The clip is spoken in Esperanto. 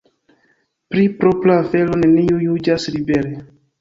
Pri propra afero neniu juĝas libere.